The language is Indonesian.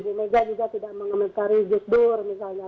bumegang juga tidak mengomentari gusdur misalnya